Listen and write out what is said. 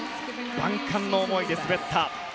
万感の思いで滑った。